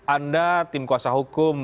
anda tim kuasa hukum